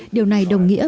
điều này đồng nghĩa